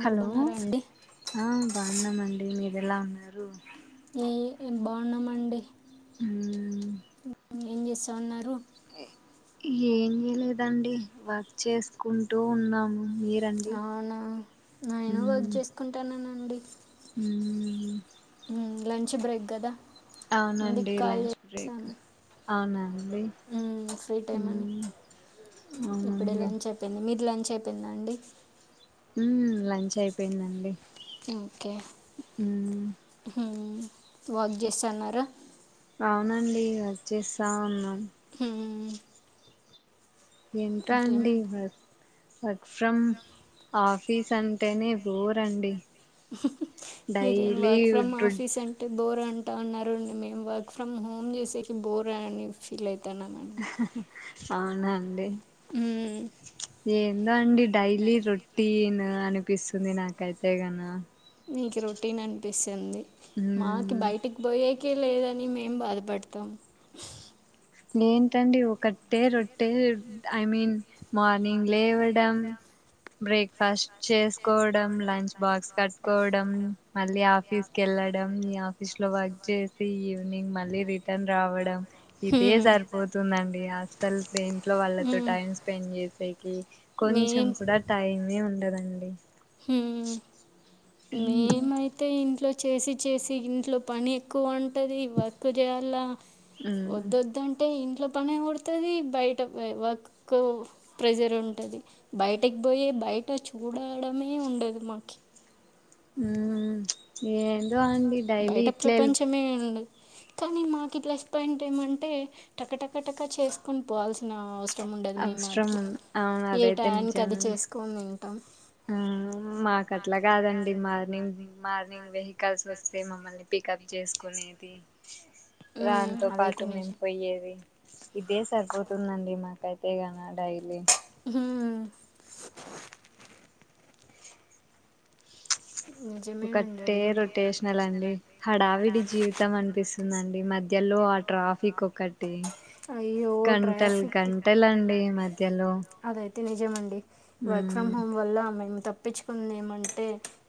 మీరు హలో బాగున్నారా అండి ఆ బాగున్నామండి మీరు ఎలా ఉన్నారు ఏ బాగున్నామండి ఆ ఏం చేస్తా ఉన్నారు ఏం చేయలేదండి వర్క్ చేసుకుంటూ ఉన్నాము మీరండి అవునా నేను వర్క్ మ్మ్ చేసుకుంటాన్నానండి మ్మ్ లంచ్ బ్రేక్ కదా అందుకు అవునండి కాల్ లంచ్ బ్రేక్ చేశాను అవునాండి ఉమ్, ఫ్రీ టైం అని మ్మ్ ఇప్పుడే అవునండి లంచ్ అయిపోయింది మీరు లంచ్ అయిపోయిందా అండి మ్మ్ లంచ్ అయిపోయిందండి ఓకే వర్క్ చేస్తాన్నారా అవునండి వర్క్ చేస్తా ఉన్నాం ఆ ఎంత అండి వర్క్ వర్క్ ఫ్రమ్ ఆఫీస్ అంటేనే బోరండి మీరేం వర్క్ ఫ్రమ్ ఆఫీస్ అంటే బోర్ అంటా ఉన్నారు మేం వర్క్ ఫ్రమ్ హోమ్ చేసేకి బోర్ అని ఫీల్ అవుతాన అవునండి మ్మ్. ఏందో అండి డైలీ రొటీన్ అనిపిస్తుంది నాకైతే న మీకు రొటీన్ అనిపిస్తుంది మాకి మ్మ్ బయటికి పోయేకే లేదని మేం బాధపడతాం ఏంటండి ఒకటే రొట్టే ఐ మీన్ మార్నింగ్ లేవడం బ్రేక్ ఫస్ట్ చేసుకోవడం లంచ్ బాక్స్ కట్టుకోవడం మళ్ళీ ఆఫీస్ కి వెళ్ళడం ఆఫీస్ లో వర్క్ చేసి ఈవినింగ్ మళ్ళీ రిటర్న్ రావడం ఇదే హ్మ్. సరిపోతుందండి అసలు ఇంట్లో వాళ్ళతో హ్మ్. టైం స్పెండ్ చేసేకి కొంచెం మేం కూడా టైం మే ఉండదండి హు ఉ హు ఇంట్లో చేసి చేసి ఇంట్లో పని ఎక్కువ ఉంటది వర్క్ చేయాల మ్మ్ వద్దంటే ఇంట్లో పని పడుతుంది బయట వర్క్ ప్రేజర్ ఉంటుంది బయటకి పోయే బయట చూడడమే ఉండదు మాకు ఉ ఏందో అండి డైలీ బయట ఇట్ల ప్రపంచమే ఉంది కానీ మాకు ఇట్లా ఎక్స్ప్లెయిన్ చెయ్యమంటే టక టక టక చేసుకుని పోవల్సిన అవసరం ఇష్టం ఉండదు మీ అవసరం మాదిరి గా అవును ఏ అదైతే టైం కి అది నిజమే చేసుకోనీ ఆ మాకు అట్లా కాదండి మార్నింగ్ మార్నింగ్ కలిసి వస్తే మమ్మల్ని పికప్ చేసుకునేది దానితో అదైతే పాటు మేం నిజం పోయేది ఇదే సరిపోతుందండి మాకైతే ఇగ డైలీ హ నిజమేనండి ఒకటే అది కూడా రొటేషనల్ అండి హడావిడి జీవితం అనిపిస్తుందండి మధ్య మధ్యలో ఆ ట్రాఫిక్ ఒకటి అయ్యో గంటలు ట్రాఫిక్ గంటల అండి మధ్యలో అదైతే నిజమేనండి వర్క్ ఫ్రమ్ ఉమ్ హోమ్ వల్ల మేము తప్పించుకుందే ఏమంటే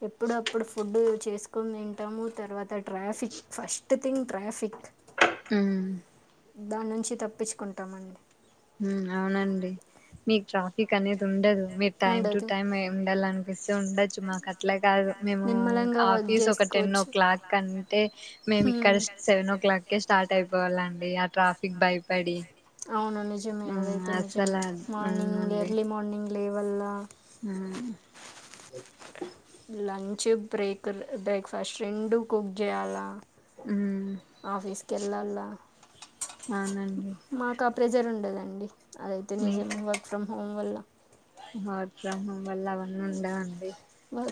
ఎప్పుడప్పుడు ఫుడ్ చేసుకొని తింటాము తర్వాత ట్రాఫిక్ ఫస్ట్ థింగ్ ట్రాఫిక్ ఉ దాని నుంచి తప్పించుకుంటామండి ఉ అవునండి మీకు ట్రాఫిక్ అనేది ఉండదు మీరు టైమ్ టు ఉండదు టైమ్ ఉండాల అనిపిస్తే ఉండొచ్చు మాకు అట్లే కాదు మేము నిమ్మలంగా వర్క్ ఆఫీస్ ఒకటి టెన్ ఓ చేసుకోవచ్చు క్లాక్ అంటే మేము హ్మ్ ఇక్కడ సెవెన్ ఓ క్లాక్ కె స్టార్ట్ అయిపోవాలండి ఆ ట్రాఫిక్ భయపడి అవును నిజమే అదైతే అసలు నిజమే మార్నింగ్ ఎర్లీ మార్నింగ్ లేవల్ల ఉ లంచ్ బ్రేక్ బ్రేక్ఫాస్ట్ రెండు కుక్ చేయాలా ఉమ్, ఆఫీస్ కు వెళ్ళాల అవునండి మాకు ప్రెజర్ ఉండదండి అదైతే మీ నిజం వర్క్ ఫ్రమ్ హోమ్ వల్ల వర్క్ ఫ్రం హోం వల్ల అవన్నీ ఉండవండి వర్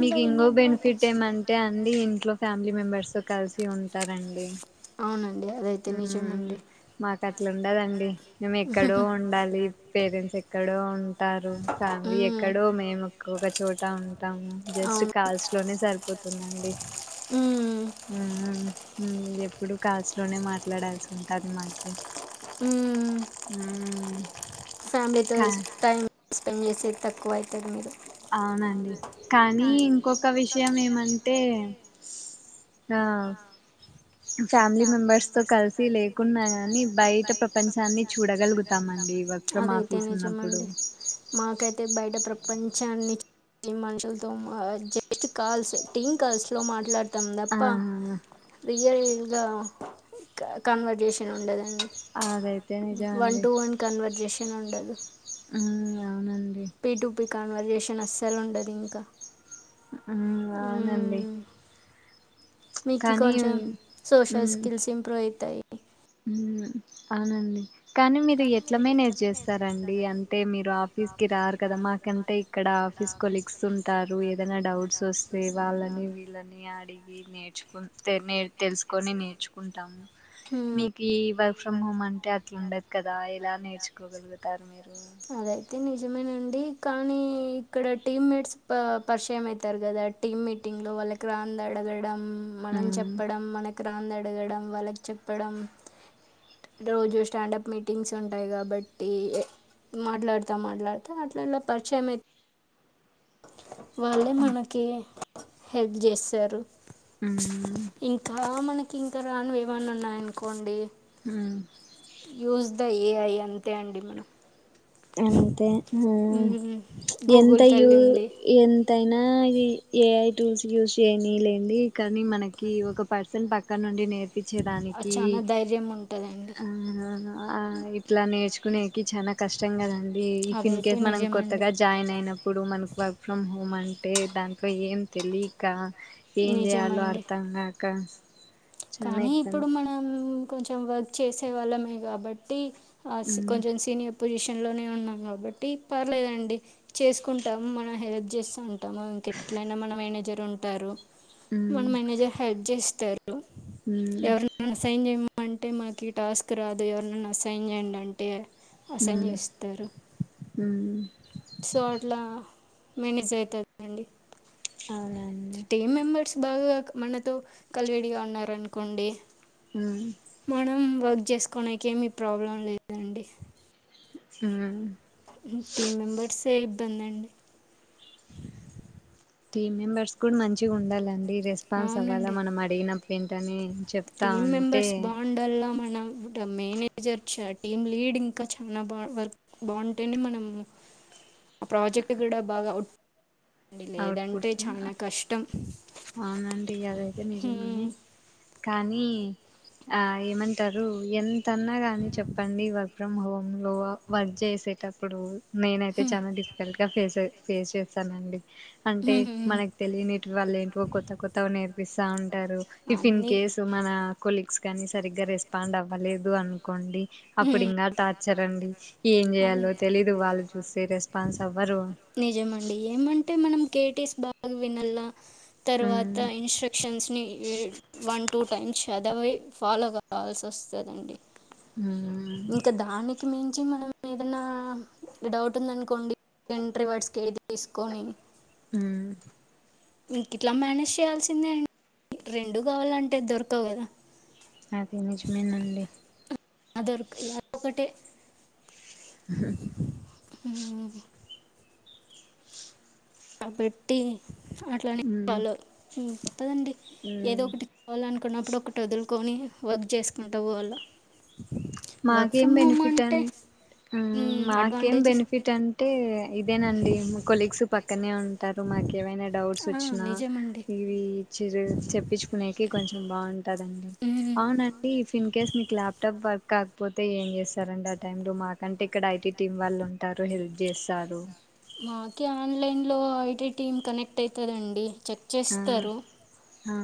మీకు ఇంకో బెనిఫిట్ ఏమంటే అండి ఇంట్లో ఫ్యామిలీ మెంబెర్స్ తో కలిసి ఉంటారండి అవునండి అదైతే నిజం మ్మ్ అండి మాకు అట్లా ఉండదు అండి మేము ఎక్కడో ఉండాలి పేరెంట్స్ ఎక్కడో ఉంటారు ఫ్యామిలీ మ్మ్. ఎక్కడో మేము ఏక్ ఒక చోట ఉంటాము జస్ట్ అవును కాల్స్ ఇంట్లోనే సరిపోతుంది అండి మ్మ్. ఊ ఊ ఊ ఎప్పుడు కాల్స్ ఇంట్లోనే మాట్లాడాల్సి ఉంటది మాకి ఊ హు ఫ్యామిలీతో టైం స్పెండ్ చేసేది తక్కువ అయతది మీరు అవునండి కానీ ఇంకొక విషయం ఏమంటే ఆ ఫ్యామిలీ మెంబర్స్ తో కలిసి లేకున్నా గాని బయట ప్రపంచాన్ని చూడగలుగుతాం అండి వర్క్ ఫ్రమ్ అదైతే ఆఫీస్ ఉన్నప్పుడు నిజమండి మాకైతే బయట ప్రపంచాన్ని ఈ మనుషులతో జస్ట్ కాల్స్ టీమ్ కాల్స్ లో మాట్లాడుతాం ప్ప ఆ రియల్గా కన్వర్జేషన్ ఉండదండి అదైతే నిజం వన్ అండి టు వన్ కన్వర్జేషన్ ఉండదు ఉమ్ అవునండి పిటుపీ కాన్వర్జేషన్ అస్సలు ఉండదు ఇంకా ఆ అవునండి మీకి కానీ కొంచెం ఉమ్ సోషల్ స్కిల్స్ ఇంప్రూవ్ అయితాయి ఊ అవునండి కానీ మీరు ఎట్ల మేనేజ్ చేస్తారండి అంటే మీరు ఆఫీస్ కి రారు కదా మాకంటే ఇక్కడ ఆఫీస్ కోలిగ్స్ ఉంటారు ఏదైనా డౌట్స్ వస్తే వాళ్ళని వీళ్ళని అడిగి నేర్చుకు తే నే తెలుసుకొని నేర్చుకుంటాము హూ ఈ వర్క్ ఫ్రమ్ హోమ్ అంటే అట్ల ఉండదు కదా దా ఎలా నేర్చుకోగలుగుతారు మీరు నిజమే అండి కానీ ఇక్కడ టీమ్ మీట్స్ పరిచయం అయితారు కదా టీమ్ మీటింగ్ లో వాళ్ళ వాళ్ళకి రానిధి అడగడం మనం ఉమ్ చెప్పడం మనకి రానిది అడగడం వాళ్ళకి చెప్పడం రోజు స్టాండప్ మీట్ టింగ్స్ ఉంటాయి కాబట్టి మాట్లాడుతా మాట్లాడుతా అట్లల్లో పరిచయం వాళ్ళే మనకి హెల్ప్ చేస్తారు ఉమ్ ఇంకా మనకి కి ఇంకా రానీవీ ఏమన్న ఉన్నాయి అనుకోండి ఊ అంత ఏ ఐ అంతే అండి మనం అంతే హూ మ్మ్ గూగుల్ ఎంతయూ తల్లి ఉంది ఎంత నా ఏఐ టూల్స్ యూజ చేయని లేండి కానీ మనకి ఒక పర్సన్ పక్కన నుండి నే నేర్పించే అది దానికి చానా ధైర్యం ఉంటదండి ఆ ఇట్ల నేర్చు కునేకి చానా చ్చం కదండి ఇఫ్ ఇన్ అదైతే కేస్ మనం నిజమండి కొత్తగా జాయిన్ అయినప్పుడు మనకు వర్క్ ఫ్రమ్ హోమ్ అంటే అంటే దాంట్లో ఏం తెలియక ఏం చేయాలో నిజమండి అర్థంగాక కానీ ఇప్పుడు మనం కొంచెం వర్క్ చేసే వాళ్ళమే కాబట్టి అస్ ఉమ్ కొంచెం సీనియప్ పొజిషన్లోనే ఉన్నాం కాబట్టి పర్లేదండి చేసుకుంటాము మనం హెల్ప్ చేస్తూ ఉంటాము ఇంక ఎట్లనా మన మేనేజర్ ఉంటారు మన ఉమ్ మేనేజర్ హెల్ప్ చేస్తారు ఉమ్ ఎవరి సైన్ చేయ అంటే మాకు ఈ టాస్క్ రాదు ఎవరిన్న అసైన్ చేయండి అంటే అసైన్ ఉమ్ చేస్తారు ఉమ్ సో అట్లా మేనేజ్ అవుతుంది అండి అవునా అండి బాగా మనతో కల్వేడిగా ఉన్నారనుకోండి ఉమ్ మనం వర్క్ చేసుకోడానికి ఏమీ ప్రాబ్లం లేదండి మ్మ్ టీమ్ మెంబర్సే ఇబ్బంది అండి టీమ్ మెంబర్స్ కూడా మంచిగా ఉండాలండి రెస్పాన్స్ అవ్వాలా మనం అడిగినప్పుడు వెంటనే టీమ్ మెంబర్స్ బాండ్ల్లా మన మేనేజర్ టీమ్ లీడ్ ఇంకా చాలా బా వర్క్ బాగుంటేనే మనము ఆ ప్రాజెక్ట్ కూడా బాగా ఉట్టడి లేదంటే అవుట్పుట్స్ చాలా కష్టం అవునండి అవైతే నిజమే హ్మ్, కానీ ఆ ఏమంటారు ఎంతన్నా గాని చెప్పండి వర్క్ ఫ్రమ్ హోమ్ లో వర్క్ చేసే టప్పుడు నేన అైతే హ్మ్, చాలా డిఫికల్ట్ గా ఫేస్ ఫేస్ చేస్తానండి అంటే హ్మ్, హ్మ్. మనకు తెలియనిటి వాళ్ళు ఏంటో కొత్త కొత్తగా నేర్పిస్తాంట టారు ఇఫ్ ఇన్ అన్నీ కేస్ మన కొలీగ్స్ కాని సరిగ్గా రెస్పాండ్ అవ్వలేదు అనుకోండి అప్పుడు హ్మ్, ఇంకా టార్చర్ అండి ఏం అదే చేయాలో తెలీదు వాళ్ళు చూస్తే రెస్పాన్స్ అవ్వరు నిజమ అండి ఏమంటే మనం కేటీస్ బాగ్ వినాల ఉమ్ తర్వాత ఇన్స్ట్రక్షన్స్ని వన్ టూ టైమ్స్ చదవి ఫాలో కావాల్సి వస్తుందండి ఉమ్ ఇంకా దానికి మేన్ నుంచి మనం ఏదైనా డౌట్ ఉందనుకోండి ఎంట్రీ వర్డ్స్కి వెది తీసుకొని అ ఇంక ఇట్లా మేనేజ్ చేయాల్సిందే అండి రెండు కావాలంటే దొరకవు కదా అది నిజమేనండి అదొరు అదొ ఒకటే హు ఉ కాబట్టి అట్లానే ఉమ్ ఫాలో మ్మ్ పదండి ఏదో ఉమ్ ఒకటి కావాలనుకున్నప్పుడు ఒకటి వదులుకొని వర్క్ చేసుకుంట పోవల మాకేం బెనిఫిట్ అ మాకేం అడ్వాంటేజెస్ బెనిఫిట్ అంటే ఇదేనండి మా కొలీగ్స్ పక్కనే ఉంటారు మాకు ఏవైనా డౌట్స్ వచ్చినా నిజమండి ఇవి చిరు తెప్పించుకునేకి కొంచెం బాగుంది ఉంటదండి మ్మ్. అవునండి ఇఫ్ ఇన్ కేస్ నీకు ల్యాప్టాప్ కాకపోతే ఏం చేస్తారండి ఆ టై లో మాకంటే ఇక్కడ ఐటీ టీం వాళ్ళు ఉంటారు హెల్ప్ చేస్తారు మాకే ఆన్లైన్లో ఐటీ టీం కనెక్ట్ అవుతుందండి చెక్ ఆ చేస్తారు ఆ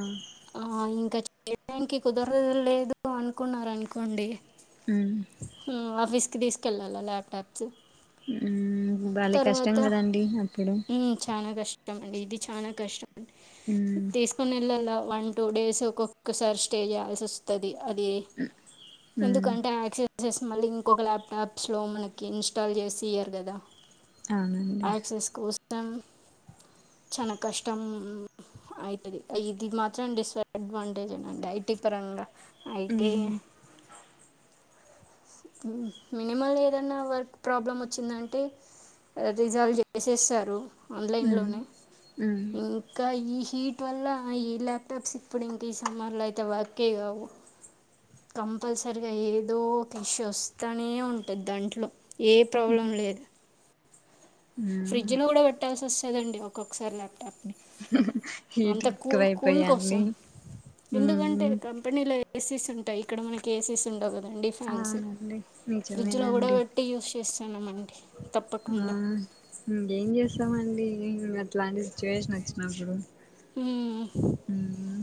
ఆ ఇంకా చేయడానికి కుదరద లేదు అనుకున్నార అనుకోండి అ విస్క్ తీసుకెళ్ళాలా ల్యాప్టాప్స్ ఉమ్ భలే కష్టం తర్వాత కదండి అప్పుడు చాలా కష్టం కష్ట అండి ఇది చానా కష్టం అండి ఉమ్ తీసుకుని వెళ్ళలా వన్ టూ డేస్ ఒక్కోక్కసారి స్టే చేయాల్సి వస్తుంది అది ఉమ్ ఎందుకంటే ఆక్సిడె ప్రాసెస్ మళ్ళీ ఇంకొక ల్యాప్టాప్స్లో మనకి ఇన్స్టాల్ చేసి ఇయరు కదా అవునండి చన కష్టం అయితది ఇది మాత్ర చండిస్ అడ్వాంటేజ్ ఏనాండి ఐటీ పరంగా ఐటీ ఉమ్ మినిమల్ ఏదైన్నా వర్క్ ప్రాబ్లం వచ్చిందంటే రిజాల్వ్ చేసేస్తారు ఆన్లైన్ ఉమ్ లోనే ఉమ్ ఇంకా ఈ హీట్ వల్ల ఈ ల్యాప్టాప్స్ ఇప్పుడు ఇంక ఈ సమ్మర్ లో అయితే వర్కే కావు కంపల్సరిగా ఏదో పిష్ వస్తూనే ఉంటుంది దాంట్లో ఏ ప్రాబ్లం లేదు మ్మ్ ఫ్రిడ్జ్ లో కూడా పెట్టాల్సి వస్తుందండి ఒక్కొక్కసారి లేపోతే హీట్ అంత కూల్ కూల్ ఎక్కువైపోయా అండి కోసం ఎందుకంటే మ్మ్ కంపెనీలో ఏసీస్ ఉంటాయి ఇక్కడ మనకి ఏసీస్ ఉండవు అదండి ఫ్యాన్స్ అవునండి ఫ్రిడ్జ్లో కూడా నిజమేనండి పెట్టి యూస్ చేస్తుాన్నామండి ఆ తప్పకుండా ఇంకేం చేస్తామండి ఇ అట్లాంటి సిచ్యువేషన్ వచ్చినప్పుడు హ్మ్మ్ మ్మ్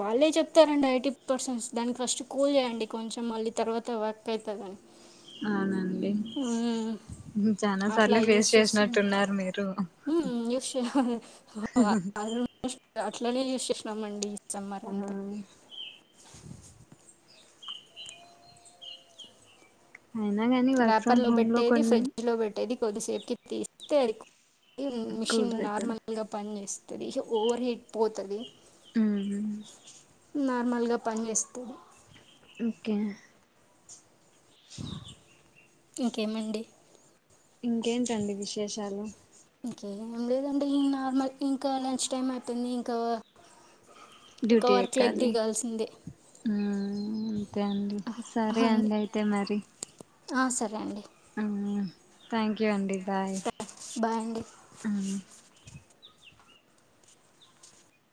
వాళ్ళే చెప్తారండి ఎయిటీ పర్సెన్ట్స్ దానికి ఫస్ట్ కూల్ చేయండి కొంచెం మళ్ళీ తర్వాత వర్క్ అవుతుందని అవునండి చానా అట్లా సార్లు యూస్ ఫేస్ చేసినట్టున్నారు మీరు అ అట్లనే చూససామండి ఈ సెమ్మర్ ఆ అంతా అయినా కానీ వర్క్ రేపర్ ఫ్రమ్ లో హోమ్ పెట్టేది కొన్ని ఫ్రిడ్జ్ లో పెట్టేది కొద్దిసేపుటికి తీస్తే అది మిషన్ కూల్ అవుతుంది నార్మల్ గా పని చేస్తంది కనీసం ఓవర్ హీట్ పోతది హ్మ్మ్ నార్మల్గా పనిచేస్తది ఓకే ఇంకేమండి ఇంకేంటండి విశేషాలు ఏం లేదండి నార్మల్ ఇంకా లంచ్ టైం అవుతుంది ఇంకా ఇంకా డ్యూటీ వర్క్ లైక్ ఎక్కాలి దిగాల్సిందే హుమ్ అంతే అండి సరే అండి అయితే మరి ఆ సరే అండి హ్మ్మ్ థ్యాంక్యూ అండి బాయ్ బాయ్ అండి హ్మ్మ్